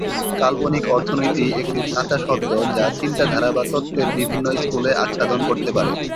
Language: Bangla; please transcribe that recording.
কাল্পনিক অর্থনীতি একটি ছাতা শব্দ যা চিন্তাধারা বা তত্ত্বের বিভিন্ন স্কুলে আচ্ছাদন করতে পারে।